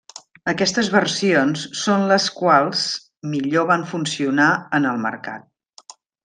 Aquestes versions són les quals millor van funcionar en el mercat.